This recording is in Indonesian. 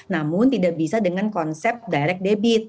namun tidak bisa dengan konsep direct debit